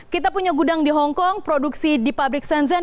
kita punya gudang di hongkong produksi di pabrik senzen